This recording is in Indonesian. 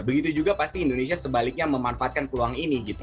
begitu juga pasti indonesia sebaliknya memanfaatkan peluang ini gitu